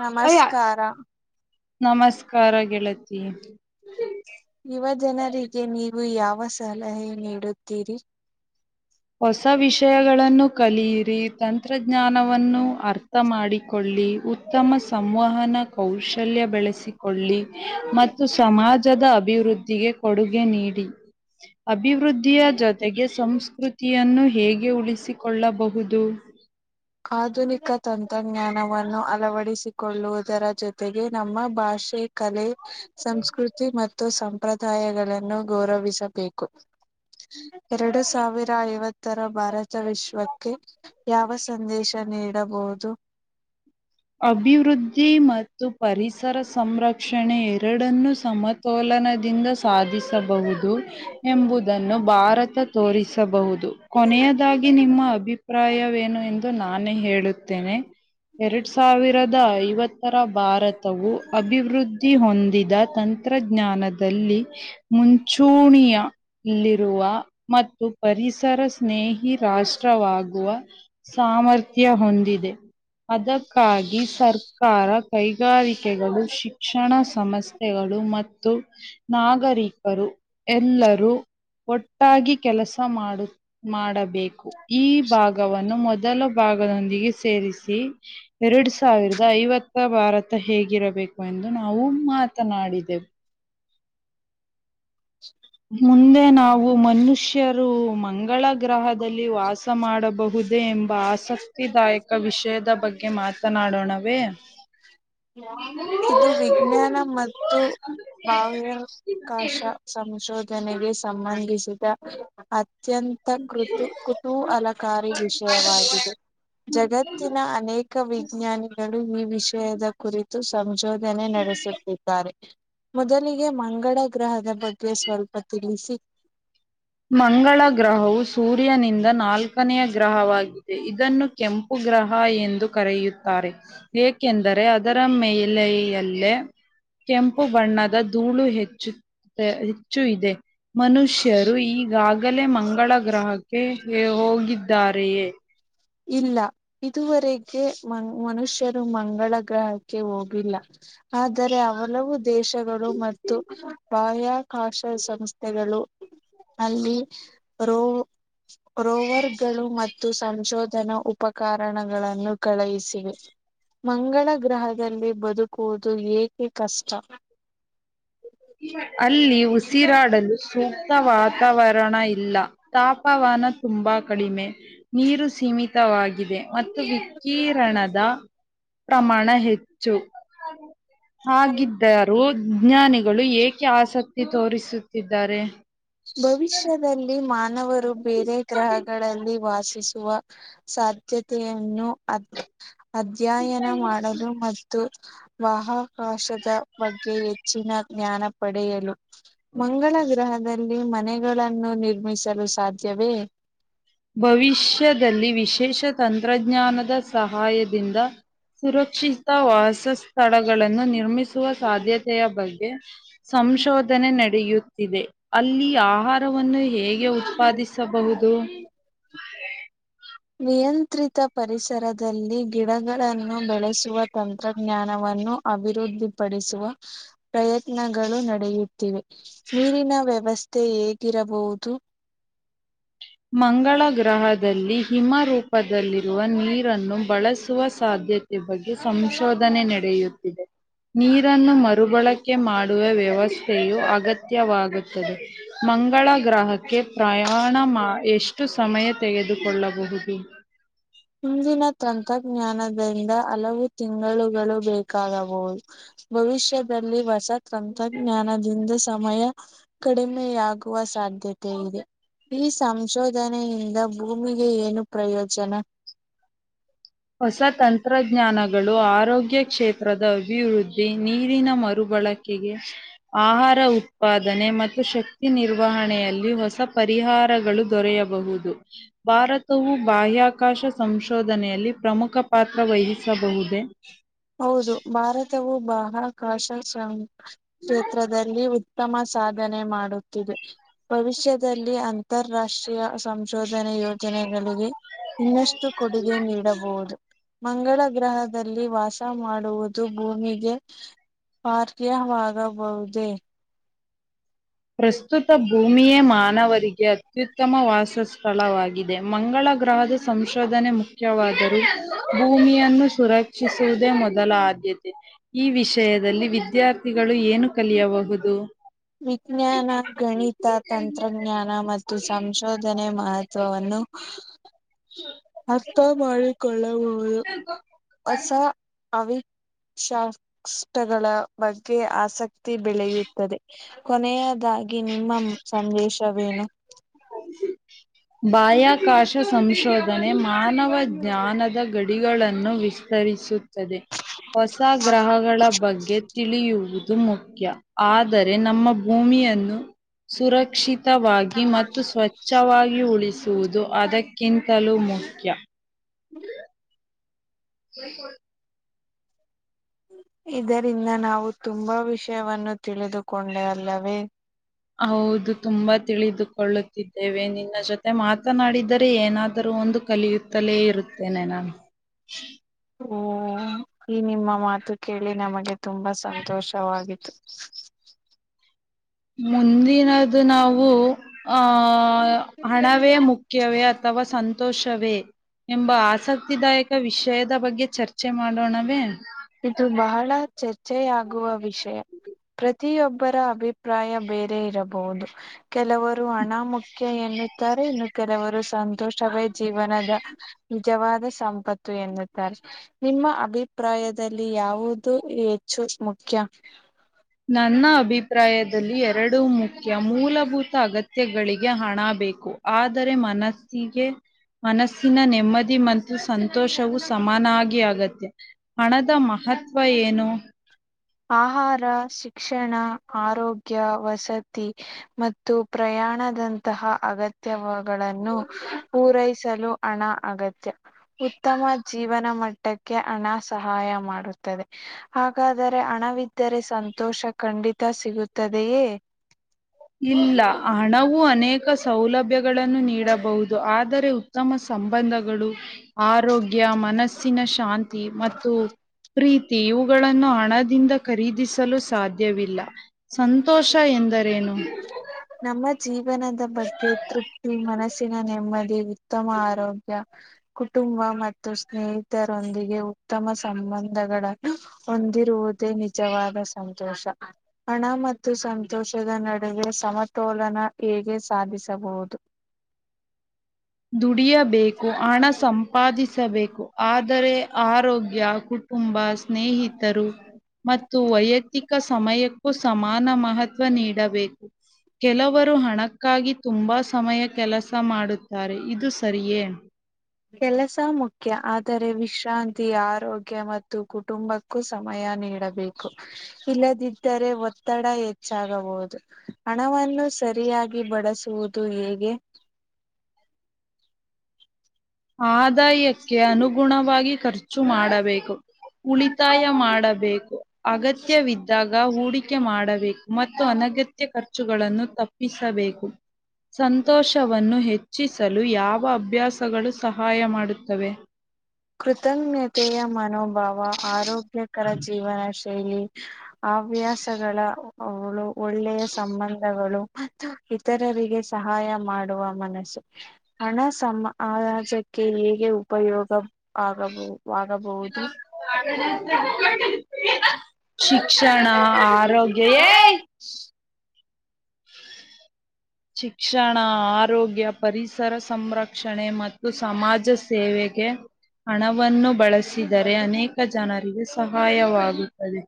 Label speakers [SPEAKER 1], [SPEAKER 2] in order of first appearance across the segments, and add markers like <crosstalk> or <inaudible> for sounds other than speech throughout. [SPEAKER 1] ನಮಸ್ಕಾರ
[SPEAKER 2] ನಮಸ್ಕಾರ ಗೆಳತಿ
[SPEAKER 1] ಯುವ ಜನರಿಗೆ ನೀವು ಯಾವ ಸಲಹೆ ನೀಡುತ್ತೀರಿ
[SPEAKER 2] ಹೊಸ ವಿಷಯಗಳನ್ನು ಕಲಿಯಿರಿ ತಂತ್ರಜ್ಞಾನವನ್ನು ಅರ್ಥ ಮಾಡಿಕೊಳ್ಳಿ ಉತ್ತಮ ಸಂವಹನ ಕೌಶಲ್ಯ ಬೆಳೆಸಿಕೊಳ್ಳಿ ಮತ್ತು ಸಮಾಜದ ಅಭಿವೃದ್ಧಿ ದಿಗೆ ಕೊಡುಗೆ ನೀಡಿ ಅಭಿವೃದ್ಧಿಯ ಜೊತೆಗೆ ಸಂಸ್ಕೃತಿ ತಿಯನ್ನು ಹೇಗೆ ಉಳಿಸಿಕೊಳ್ಳಬಹುದು
[SPEAKER 1] ಆಧುನಿಕ ತಂತ್ರಜ್ಞಾನವನ್ನು ಅಳವಡಿಸಿಕೊಳ್ಳುವುದರ ಜೊತೆಗೆ ನಮ್ಮ ಭಾಷೆ ಷೆ ಕಲೆ ಸಂಸ್ಕೃತಿ ಮತ್ತು ಮತ್ತು ಸಂಪ್ರದಾಯಗಳನ್ನು ಗೌರವಿಸಬೇಕು ಎರಡು ಸಾವಿರ ಐವತ್ತರ ಭಾರತ ವಿಶ್ವಕ್ಕೆ ಯಾವ ಸಂದೇಶ ನೀಡಬಹುದು
[SPEAKER 2] ಅಭಿವೃದ್ಧಿ ಮತ್ತ ಮತ್ತು ಪರಿಸರ ಸಂರಕ್ಷಣೆ ಎರಡನ್ನ ಸಮತೋಲನದಿಂದ ಸಾಧಿಸಬಹುದು ಎಂಬುದನ್ನು ಭಾರತ ತೋರಿಸಬಹುದು ಕೊನೆಯದಾಗಿ ನಿಮ್ಮ ಅಭಿಪ್ರಾಯವೇನು ಎಂದು ನಾನೇ ಹೇಳುತ್ತೇನೆ ಎರಡು ಎರಡ್ ಸಾವಿರದ ಐವತ್ತರ ಭಾರತವು ಅಭಿವೃದ್ಧಿ ಹೊಂದಿದ ತಂತ್ರಜ್ಞ ಜ್ಞಾನದಲ್ಲಿ ಮುಂಚೂಣಿಯಲ್ಲಿರುವ ಮತ್ತು ಪರಿಸರ ಸ್ನೇಹಿ ರಾಷ್ಟ್ರವಾಗುವ ಸಾಮರ್ಥ್ಯ ಹೊಂದಿದೆ ಅದಕ್ಕೆ ಕಾಗಿ ಸರ್ಕಾರ ಕೈಗಾರಿಕೆಗಳು ಶಿಕ್ಷಣ ಸಂಸ್ಥೆ ಗಳು ಮತ್ತು ನಾಗರಿಕರು ಎಲ್ಲರೂ ಒಟ್ಟಾಗಿ ಕೆಲಸ ಮಾಡು ಮಾಡಬೇಕು ಈ ಭಾಗವನ್ನು ಮೊದಲ ಭಾಗದೊಂದಿಗೆ ಸೇರಿಸಿ ಎರಡು ಸಾವಿರದ ಐವತ್ತ ಭಾರತ ಹೇಗಿರಬೇಕು ಎಂದು ನಾವು ಮಾತನಾಡಿದೆೆವು ಮುಂದೆ ನಾವು ಮನುಷ್ಯರು ಮಂಗಳ ಗ್ರಹದಲ್ಲಿ ವಾಸ ಮಾಡಬಹುದು ದೆ ಎಂಬ ಆಸಕ್ತಿದಾಯಕ ವಿಷಯದ ಬಗ್ಗೆ ಮಾತನಾಡೋಣವೇ
[SPEAKER 1] ಇದು ವಿಜ್ಞಾನ ಮತ್ತು ಬಾಹ್ಯಾಕಾಶ ಸಂಶೋಧನೆ ದನೆಗೆ ಸಂಬಂಧಿಸಿದ ಅತ್ಯಂತ ಕೃತು ಕುತೂಹಲಕಾರಿ ವಿಷಯವಾಗಿದೆ ಜಗತ್ತಿನ ಅನೇಕ ವಿಜ್ಞಾನಿಗಳು ಈ ವಿಷಯದ ಕುರಿತು ಸಂಶೋಧನೆ ನಡೆಸುತ್ತಿದ್ದಾರೆ ಮೊದಲಿಗೆ ಮಂಗಳ ಗ್ರಹದ ಬಗ್ಗೆ ಸ್ವಲ್ಪ ತಿಳಿಸಿ
[SPEAKER 2] ಮಂಗಳ ಗ್ರಹವು ಸೂರ್ಯನಿಂದ ನಾಲ್ಕನೆಯ ಗ್ರಹವಾಗಿ ಇದನ್ನು ಕೆಂಪು ಗ್ರಹ ಎಂದು ಕರೆಯುತ್ತಾರೆ ಏಕೆಂದರೆ ಅದರ ಮೇಲೆಯಲ್ಲೇ ಕೆಂಪು ಬಣ್ಣದ ಧೂಳು ಹೆಚ್ಚು ಹೆಚ್ಚು ಇದೆ
[SPEAKER 1] ಹ್ಮ್
[SPEAKER 2] ಮನುಷ್ಯರು ಈಗಾಗಲೇ ಮಂಗಳ ಗ್ರಹಕ್ಕೆ ಹೋಗಿದ್ದಾರೆಯೇ
[SPEAKER 1] ಇಲ್ಲ ಇದುವರೆಗೆ ಮ ಮನುಷ್ಯರು ಮಂಗಳ ಗ್ರಹಕ್ಕೆ ಹೋಗಿಲ್ಲ ಆದರೆ ಹಲವು ದೇಶಗಳು ಮತ್ತು ಬಾಹ್ಯಾಕಾಶ ಸಂಸ್ಥೆಗಳು
[SPEAKER 2] ಹ <unintelligible>
[SPEAKER 1] ಅಲ್ಲಿ ರೋ ರೋವರ್ಗಳು ಮತ್ತು ಸಂಶೋ ನ ಉಪಕಾರಣಗಳನ್ನು ಕಳುಹಿಸಿರಿ ಮಂಗಳ ಗ್ರಹದಲ್ಲಿ ಬದುಕುವುದು ಏಕೆ ಕಷ್ಟ
[SPEAKER 2] ಅಲ್ಲಿ ಉಸಿರಾಡಲು ಸೂಕ್ತ ವಾತಾವರಣ ಇಲ್ಲ ತಾಪವಾನ ತುಂಬಾ ಕಡಿಮೆ ನೀರು ಸೀಮಿತವಾಗಿದೆ ಮತ್ತು ವಿಕಿರಣದ ಪ್ರಮಾಣ ಹೆಚ್ಚು ಹಾಗಿದ್ದರೂಜ್ಞಾನಿಗಳು ಏಕೆ ಆಸಕ್ತಿ ತೋರಿಸುತ್ತಿದ್ದಾರೆ
[SPEAKER 1] ಭವಿಷ್ಯದಲ್ಲಿ ಮಾನವರು ಬೇರೆ ಗ್ರಹಗಳಲ್ಲಿ ವಾಸಿಸ ಸಾಧ್ಯತೆಯನ್ನು ಅ ಅಧ್ಯಯನ ಮಾಡಲು ಮತ್ತು ಬಾಹಾಕಾಶದ ಬಗ್ಗೆ ಹೆಚ್ಚಿನ ಜ್ಞಾನ ಪಡೆಯಲು ಮಂಗಳ ಗ್ರಹದಲ್ಲಿ ಮನೆಗಳನ್ನು ನಿರ್ಮಿಸಲು ಸಾಧ್ಯವೇ
[SPEAKER 2] ಭವಿಷ್ಯದಲ್ಲಿ ವಿಶೇಷ ತಂತ್ರಜ್ಞಾನದ ಸಹಾಯದಿಂದ ಸುರಕ್ಷಿತ ವಾಸ ಸ್ಥಳಗಳನ್ನು ನಿರ್ಮಿಸ ಸಾಧ್ಯತೆಯ ಬಗ್ಗೆ ಸಂಶೋಧನೆ ನಡೆಯುತ್ತಿದೆ ಅಲ್ಲಿ ಆ ಆಹಾರವನ್ನು ಹೇಗೆ ಉತ್ಪಾದಿಸಬಹುದು ಹ್ಮ
[SPEAKER 1] ನಿಯಂತ್ರಿತ ಪರಿಸರದಲ್ಲಿ ಗಿಡಗಳನ್ನು ಬೆಳೆಸುವ ತಂತ್ರಜ್ಞಾನವನ್ನು ಅಭಿವೃದ್ಧಿಪಡಿಸುವ ಪ್ರಯತ್ನಗಳು ನಡೆಯುತ್ತಿವೆ ನೀರಿನ ವ್ಯವಸ್ಥೆ ಹೇಗಿರಬಹುದು
[SPEAKER 2] ಮಂಗಳ ಗ್ರಹದ ಹಿಮರೂಪದಲ್ಲಿರುವ ನೀರನ್ನು ಬಳಸುವ ಸಾಧ್ಯತೆ ಈ ಬಗ್ಗೆ ಸಂಶೋಧನೆ ನಡೆಯುತ್ತಿದೆ ನೀರನ್ನು ಮರುಬಳಕೆ ಮಾಡುವ ವ್ಯವಸ್ಥೆಯು ಅಗತ್ಯವಾಗುತ್ತದೆ ಮಂಗಳ ಗ್ರಹಕ್ಕೆ ಪ್ರಯಾಣ ಮಾ ಎಷ್ಟು ಸಮಯ ತೆಗೆದುಕೊಳ್ಳಬಹುದು
[SPEAKER 1] ಹಿಂದಿನ ತಂತ್ರಜ್ಞಾನದಿಂದ ಹಲವು ತಿಂಗಳುಗಳು ಬೇಕಾಗಬಹುದು ಭವಿಷ್ಯದಲ್ಲಿ ಹೊಸ ತಂತ್ರಜ್ಞಾನದಿಂದ ಸಮಯ ಕಡಿಮೆಯಾಗುವ ಸಾಧ್ಯ ಆದತೆ ಇದೆ ಈ ಸಂಶೋಧನೆಯಿಂದ ಭೂಮಿಗೆ ಏನು ಪ್ರಯೋಜನ
[SPEAKER 2] ಹೊಸ ತಂತ್ರಜ್ಞಾನಗಳು ಆರೋಗ್ಯ ಕ್ಷೇತ್ರದ ಅಭಿವೃದ್ಧಿ ನೀರಿನ ಮರುಗಳು ಬಳಕೆಗೆ ಆಹಾರ ಉತ್ಪಾದನೆ ಮತ್ತು ಶಕ್ತಿ ನಿರ್ವಹಣೆಯಲ್ಲಿ ಹೊಸ ಪರಿ ಪಹಾರಗಳು ದೊರೆಯಬಹುದು ಭಾರತವು ಬಾಹ್ಯಾಕಾಶ ಸಂಶೋಧನೆಯಲ್ಲಿ ಪ್ರಮುಖ ಪಾತ್ರ ವಹಿಸಬಹುದೇ
[SPEAKER 1] ಹೌದು ಭಾರತವು ಬಾಹ್ಯಾಕಾಶ ಸಂ ಕ್ಷೇತ್ರದಲ್ಲಿ ಉತ್ತಮ ಸಾಧನೆ ಮಾಡುತ್ತಿದೆ ಭವಿಷ್ಯದಲ್ಲಿ ಅಂತಾರಾಷ್ಟ್ರೀಯ ಸಂಶೋಧನೆ ಯೋಜನೆಗಳಿಗೆ ಇನ್ನಷ್ಟು ಕೊಡುಗೆ ನೀಡಬಹುದು ಮಂಗಳ ಗ್ರಹದಲ್ಲಿ ವಾಸ ಮಾಡುವುದು ಭೂಮಿಗೆ ಪಾರ್ಥಿ ವಾಗಬಹುದೇ
[SPEAKER 2] ಪ್ರಸ್ತುತ ಭೂಮಿಯೇ ಮಾನವರಿಗೆ ಅತ್ಯುತ್ತಮ ವಾಸ ಸ್ಥಳವಾಗಿದೆ ಮಂಗಳ ಗ್ರಹದ ಸಂಶೋಧನೆ ಮುಕ್ತಿ ಮುಖ್ಯವಾದರೂ ಭೂಮಿಯನ್ನು ಸುರಕ್ಷಿಸುವುದೇ ಮೊದಲ ಆದ್ಯತೆ ಈ ವಿಷಯದಲ್ಲಿ ವಿದ್ಯಾರ್ಥಿಗಳು ಏನು ಕಲಿಯಬಹುದು
[SPEAKER 1] ವಿಜ್ಞಾನ ಗಣಿತ ತಂತ್ರಜ್ಞಾನ ಮತ್ತು ಸಂಶೋಧನೆ ಉಸವವನ್ನು ಅರ್ಥ ಮಾಡಿಕೊಳ್ಳಬಹುದು ಹೊಸ ಅವಿ ಶಾಷ್ಟಗಳ ಬಗ್ಗೆ ಆಸಕ್ತಿ ಬೆಳೆಯುತ್ತದೆ ಕೊನೆಯದಾಗಿ ನಿಮ್ಮ ಸಂದೇಶವೇನು
[SPEAKER 2] ಬಾಹ್ಯಾಕಾಶ ಸಂಶೋಧನೆ ಮಾನವ ಜ್ಞಾನದ ಗಡಿಗಳನ್ನು ವಿಸ್ತರಿಸ ಹೊಸ ಗ್ರಹಗಳ ಬಗ್ಗೆ ತಿಳಿಯುವು ದು ಮುಖ್ಯ ಆದರೆ ನಮ್ಮ ಭೂಮಿಯನ್ನು ಸುರಕ್ಷಿತವಾಗಿ ಮತ್ತು ಸ್ವಚ್ಛವಾಗಿ ಉಳಿಸುವುದು ಅದಕ್ಕಿಂತಲೂ ಮುಖ್ಯ <inaudible> ಹ
[SPEAKER 1] ಇದರಿಂದ ನಾವು ತುಂಬಾ ವಿಷಯವನ್ನು ತಿಳಿದುಕೊಂಡರಲ್ಲವೇ
[SPEAKER 2] ಹೌದು ತುಂಬಾ ತಿಳಿದುಕೊಳ್ಳುತ್ತಿದ್ದೇವೆ ನಿನ್ನ ಜೊತೆ ಮಾತನಾಡಿದರೆ ಏನಾದರೂ ಒಂದು ಕಲಿಯುತ್ತಲೇ ಇರುತ್ತೇನೆ ನಾನು <inaudible>
[SPEAKER 1] ಓ ಈ ನಿಮ್ಮ ಮಾತು ಕೇಳಿ ನಮಗೆ ತುಂಬಾ ಸಂತೋಷವಾಯ್ತು
[SPEAKER 2] ಮುಂದಿನದು ನಾವು ಆಹ ಹಣವೇ ಮುಖ್ಯವೇ ಅಥವಾ ಸಂತ ಸಂತೋಷವೇ ಎಂಬ ಆಸಕ್ತಿದಾಯಕ ವಿಷಯದ ಬಗ್ಗೆ ಚರ್ಚೆ ಮಾಡೋಣವೇ
[SPEAKER 1] ಚರ್ಚೆೆಯಾಗುವ ವಿಷಯ ಪ್ರತಿಯೊಬ್ಬರ ಅಭಿಪ್ರಾಯ ಬೇರೆ ಇರಬಹುದು ಕೆಲವರು ಹಣ ಮುುಖ್ಯ ಎ ಎನ್ನುತ್ತಾರೆ ಇನ್ನು ಕೆಲವರು ಸಂತೋಷವೇ ಜೀವನದ ನಿಜವಾದ ಸಂಪತ್ತು ಎನ್ನುತ್ತಾರೆ ನಿಮ್ಮ ಅಭಿಪ್ರಾಯದ ದಲ್ಲಿ ಯಾವುದು ಹೆಚ್ಚು ಮುಖ್ಯ
[SPEAKER 2] ನನ್ನ ಅಭಿಪ್ರಾಯದಲ್ಲಿ ಎರಡು ಮುಖ್ಯ ಮೂಲಭೂತ ಅಗತ್ಯ ಗಳಿಗೆ ಹಣ ಬೇಕು ಆದರೆ ಮನಸ್ಸಿಗೆ ಮನಸ್ಸಿನ ನೆಮ್ಮದಿ ಮತ್ತು ಸಂತೋಷವು ಸಮಾನ ಆಗಿ ಆಗತೇ ಹಣದ ಮಹ ಮಹತ್ವ ಏನು
[SPEAKER 1] ಆಹಾರ ಶಿಕ್ಷಣ ಆರೋಗ್ಯ ವಸತಿ ಮತ್ತು ಪ್ರಯಾಣ ಪ್ರಯಾಣದಂತಹ ಅಗತ್ಯಗಳನ್ನು ಪೂರೈಸಲು ಹಣ ಅಗತ್ಯ ಉತ್ತಮ ಜೀವನ ಮಟ್ಟಕ್ಕೆ ಹಣ ಸಹಾಯ ಮಾಡುತ್ತದೆ ಹಾಗಾದರೆ ದರೆ ಹಣವಿದ್ದರೆ ಸಂತೋಷ ಖಂಡಿತ ಸಿಗುತ್ತದೆಯೇ
[SPEAKER 2] ಹ್ಮ ಅನೇಕ ಸೌಲಭ್ಯಗಳನ್ನು ನೀಡಬಹುದು ಆದರೆ ಉತ್ತಮ ಸಂಬಂಧಗಳು ಆರೋಗ್ಯ ಮನಸ್ಸಿನ ಶಾಂತಿ ಮತ್ತು ಪ್ರೀತಿ ಇವುಗಳ ನ್ನು ಹಣದಿಂದ ಖರೀದಿಸಲು ಸಾಧ್ಯವಿಲ್ಲ ಸಂತೋಷ ಎಂದರೇನು <inaudible>
[SPEAKER 1] ನಮ್ಮ ಜೀವನದ ಬಗ್ಗೆ ತೃಪ್ತಿ ಮನಸ್ಸಿನ ನೆಮ್ಮದಿ ಉತ್ತಮ ಆರೋಗ್ಯ ಕುಟುಂಬ ಮತ್ತು ಸ್ನೇಹಿತರೊಂದಿಗೆ ಉತ್ತಮ ಸಂಬಂಧಗಳನ್ನು ಹೊಂದಿರುವುದು ನಿಜವಾದ ಸಂತೋಷ ಹಣ ಮತ್ತು ಸಂತೋಷ ಶದ ನಡುವೆ ಸಮತೋಲನ ಹೇಗೆ ಸಾಧಿಸಬಹುದು
[SPEAKER 2] ದುಡಿಯಬೇಕು ಹಣ ಸಂಪಾದಿಸಬೇಕು ಆದರೆ ಆರೋಗ್ಯ ಕುಟುಂಬ ಸ್ನೇಹಿತರು ಮತ್ತು ವೈಯಕ್ತಿಕ ಸಮಯಕ್ಕೂ ಸಮಾನ ಮಹತ್ವ ನೀಡಬೇಕು ಕೆಲವರು ಹಣಕ್ಕಾಗಿ ತುಂಬಾ ಸಮಯ ಕೆಲಸ ಮಾಡುತ್ತ ತ್ತಾರೆ ಇದು ಸರಿಯೇ
[SPEAKER 1] ಕೆಲಸ ಮುಖ್ಯ ಆದರೆ ವಿಶ್ರಾಂತಿ ಆರೋಗ್ಯ ಮತ್ತು ಕುಟುಂಬಕ್ಕೂ ಸಮಯ ನೀಡಬೇಕು ಇಲ್ಲದಿದ್ದರೆ ಒತ್ತಡ ಹೆಚ್ಚಾಗಬಹುದು ಹಣವನ್ನು ಸರಿಯಾಗಿ ಬಳಸುವುದು ಹೇಗೆ
[SPEAKER 2] <inaudible> ಆದಾಯಕ್ಕೆ ಅನುಗುಣವಾಗಿ ಖರ್ಚು ಮಾಡಬೇಕು ಉಳಿತಾಯ ಮಾಡಬೇಕು ಅಗತ್ಯವಿದ್ದಾಗ ಹೂಡಿಕೆ ಮಾಡಬೇಕು ಮತ್ತು ಅನಗತ್ಯ ಖರ್ಚುಗಳನ್ನು ತಪ್ಪಿಸಬೇಕು ಸಂತೋಷವನ್ನು ಹೆಚ್ಚಿಸಲು ಯಾವ ಅಭ್ಯಾಸಗಳು ಸಹಾಯ ಮಾಡುತ್ತವೆ
[SPEAKER 1] ಕೃತಜ್ಞತೆಯ ಮನೋಭಾವ ಆರೋಗ್ಯಕರ ಜೀವನ ಶೈಲಿ ಹವ್ಯಾಸಗಳ ಅವಳು ಒಳ್ಳೆಯ ಸಂಬಂಧಗಳು ಮತ್ತು ಇತರರಿಗೆ ಸಹಾಯ ಮಾಡುವ ಮನಸ್ಸು ಹಣ ಸಮಾಜಕ್ಕೆ ಹೇಗೆ ಉಪಯೋಗ ಆಗಬಹುದು
[SPEAKER 2] <inaudible> ಶಿಕ್ಷಣ ಆರೋಗ್ಯ ಏ <inaudible> ಶಿಕ್ಷಣ ಆರೋಗ್ಯ ಪರಿಸರ ಸಂರಕ್ಷಣೆ ಮತ್ತು ಸಮಾಜ ಸೇವೆ ವೇಗೆ ಹಣವನ್ನು ಬಳಸಿದರೆ ಅನೇಕ ಜನರಿಗೆ ಸಹಾಯವಾಗುತ್ತದೆ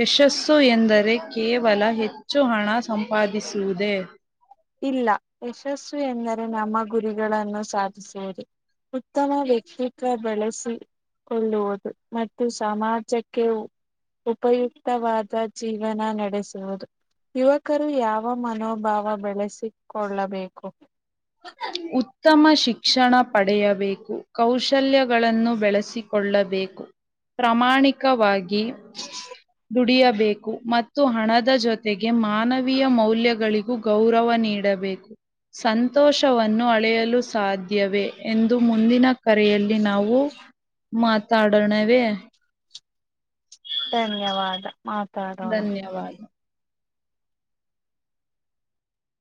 [SPEAKER 2] ಯಶಸ್ಸು ಎಂದರೆ ಕೇವಲ ಹೆಚ್ಚು ಹಣ ಸಂಪಾದಿಸುವುದೇ
[SPEAKER 1] ಇಲ್ಲ ಯಶಸ್ಸು ಎಂದರೆ ನಮ್ಮ ಗುರಿಗಳನ್ನು ಸಾಧಿಸುವುದು ಉತ್ತಮ ವ್ಯಕ್ತಿತ್ವ ಬಳಸಿ ಕೊಳ್ಳುವುದು ಮತ್ತು ಸಮಾಜಕ್ಕೆ ಉಪಯುಕ್ತವಾದ ಜೀವನ ನಡೆಸುವುದು ಯುವಕರು ಯಾವ ಮನೋಭಾವ ಬೆಳೆಸಿಕೊಳ್ಳಬೇಕು
[SPEAKER 2] ಉತ್ತಮ ಶಿಕ್ಷಣ ಪಡೆಯಬೇಕು ಕೌಶಲ್ಯಗಳನ್ನು ಬೆಳೆಸಿಕೊಳ್ಳಬೆ ಕು ಪ್ರಾಮಾಣಿಕವಾಗಿ ದುಡಿಯ ಬೇಕು ಮತ್ತು ಹಣದ ಜೊತೆಗೆ ಮಾನವೀಯ ಮೌಲ್ಯಗಳಿಗೂ ಗೌರವ ನೀಡಬೇಕು ಸಂತೋಷವನ್ನು ಅಳೆಯಲು ಸಾಧ್ಯವೇ ಎಂದು ಮುಂದಿನ ಕರೆಯಲ್ಲಿ ನಾವು ಮಾತಾಡೋಣವೇ
[SPEAKER 1] ಧನ್ಯವಾದ ಮಾತಾಡೋಣ
[SPEAKER 2] ಧನ್ಯವಾದ